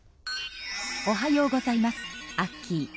おはようございますアッキー。